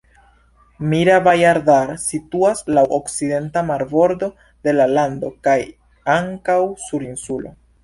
Mira-Bhajandar situas laŭ okcidenta marbordo de la lando kaj ankaŭ sur insulo.